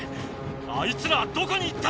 あいつらはどこに行った？